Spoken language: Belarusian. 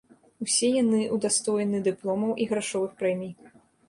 Усе яны ўдастоены дыпломаў і грашовых прэмій.